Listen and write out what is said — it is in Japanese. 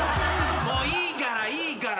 もういいからいいから。